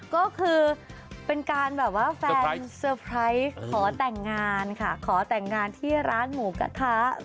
ก็คือเป็นการแฟนเซอร์ไพรส์ขอแต่งงานที่ร้านหมูกระทะ